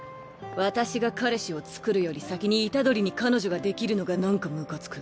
私が彼氏をつくるより先に虎杖に彼女ができるのがなんかムカつく。